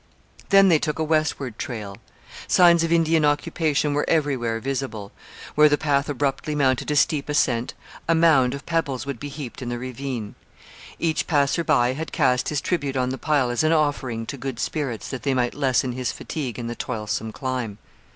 Then they took a westward trail. Signs of Indian occupation were everywhere visible. Where the path abruptly mounted a steep ascent, a mound of pebbles would be heaped in the ravine. Each passer by had cast his tribute on the pile as an offering to good spirits that they might lessen his fatigue in the toilsome climb.